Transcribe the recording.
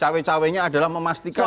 cawe cawenya adalah memastikan